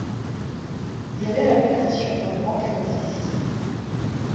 Il avait la réputation d'un grand canoniste.